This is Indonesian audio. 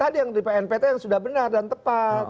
ada yang di pnpt yang sudah benar dan tepat